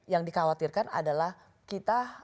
yang dikhawatirkan adalah kita sesuatu mengejar